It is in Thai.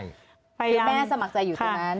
คือแม่สมัครใจอยู่ตรงนั้น